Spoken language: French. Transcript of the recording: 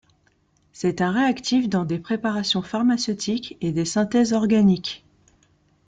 C'est un réactif dans des préparations pharmaceutiques et des synthèses organiques.